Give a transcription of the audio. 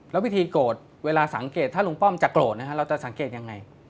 แล้ววิธีโกรธเวลาสังเกตถ้าลุงป้อมจะโกรธนะฮะเราจะสังเกตยังไง